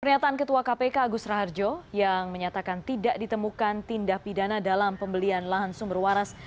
pernyataan ketua kpk agus raharjo yang menyatakan tidak ditemukan tindak pidana dalam pembelian lahan sumber waras